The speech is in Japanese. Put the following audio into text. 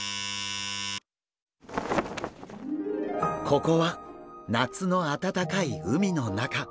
ここは夏のあたたかい海の中。